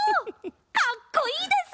かっこいいです！